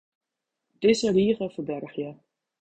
Dizze rige ferbergje.